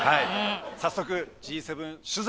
早速Ｇ７取材。